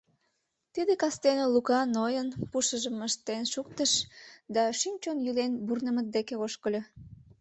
Тиде кастене Лука Нойын пушыжым ыштен шуктыш да, шӱм-чон йӱлен, Бурнимыт деке ошкыльо.